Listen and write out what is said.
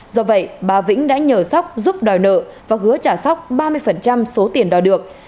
do vậy bà vĩnh đã nhờ sóc giúp đòi nợ và hứa trả sóc ba mươi số tiền đòi được